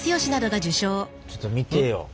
ちょっと見てよ。